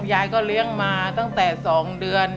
ยายก็เลี้ยงมาตั้งแต่๒เดือน